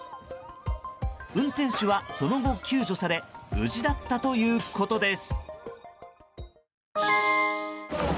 運転手はその後、救助され無事だったということです。